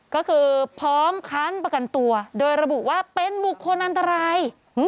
ก็คือพร้อมค้านประกันตัวโดยระบุว่าเป็นบุคคลอันตราย